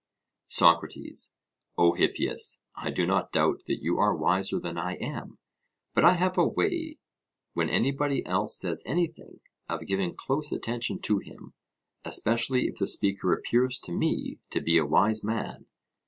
SOCRATES: O Hippias, I do not doubt that you are wiser than I am. But I have a way, when anybody else says anything, of giving close attention to him, especially if the speaker appears to me to be a wise man.